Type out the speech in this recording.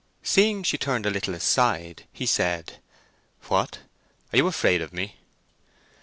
Seeing she turned a little aside, he said, "What, are you afraid of me?"